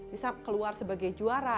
bisa keluar sebagai juara